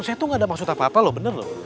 saya tuh gak ada maksud apa apa loh bener loh